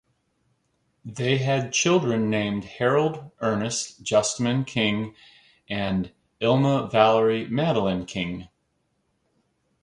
They had children named Harold Ernest Justiman King and Ilma Valerie Madeline King.